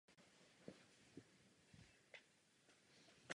Jedná se o jedné muzeum podobného typu v Evropě.